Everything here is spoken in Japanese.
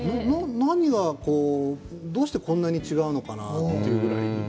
何が、どうしてこんなに違うのかなというぐらい。